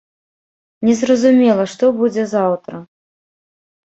Незразумела, што будзе заўтра.